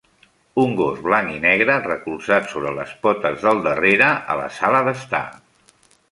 Un gos blanc i negre recolzat sobre les potes del darrere a la sala d'estar.